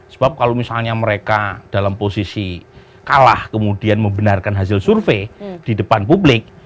sebab kalau misalnya mereka dalam posisi kalah kemudian membenarkan hasil survei di depan publik